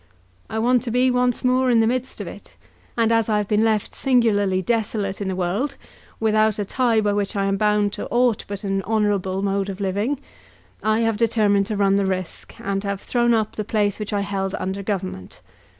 I want to be once more in the midst of it; and as I have been left singularly desolate in the world, without a tie by which I am bound to aught but an honourable mode of living, I have determined to run the risk, and have thrown up the place which I held under Government.